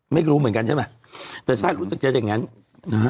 ไม่รู้เหมือนกันใช่ไหมแต่ช่างรู้สักเจนจากอย่างนั้น